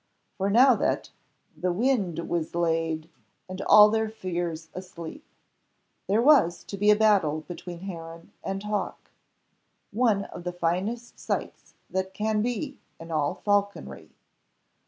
For now that "The wind was laid, and all their fears asleep," there was to be a battle between heron and hawk, one of the finest sights that can be in all falconry.